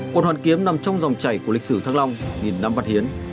quận hoàn kiếm nằm trong dòng chảy của lịch sử thăng long nghìn năm văn hiến